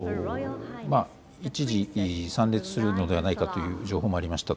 一方で、一時、参列するのではないかという情報もありました